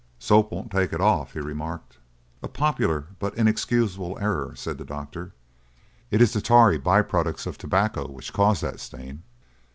"Soap won't take it off," he remarked. "A popular but inexcusable error," said the doctor. "It is the tarry by products of tobacco which cause that stain.